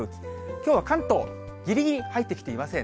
きょうは関東、ぎりぎり入ってきていません。